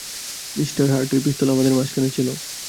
Mister হার্টের পিস্তল আমাদের মাঝখানে ছিল।